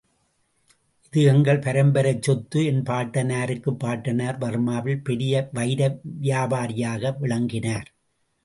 இது எங்கள் பரம்பரைச் சொத்து, என்பாட்டனாருக்குப் பாட்டனார், பர்மாவில் பெரிய வைரவியாபாரியாக விளங்கினார்.